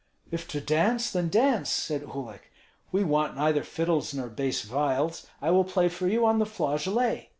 "If to dance, then dance," said Uhlik. "We want neither fiddles nor bass viols. I will play for you on the flageolet."